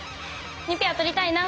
２ペア取りたいな。